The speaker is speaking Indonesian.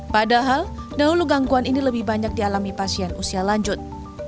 padahal dahulu gangguan ini lebih banyak dialami pasien usia lanjut